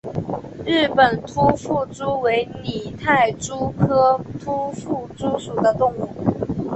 日本突腹蛛为拟态蛛科突腹蛛属的动物。